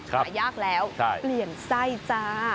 หายากแล้วเปลี่ยนไส้จ้า